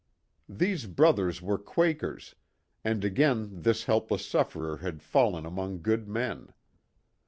These brothers were Quakers, and again this helpless sufferer had fallen among good men.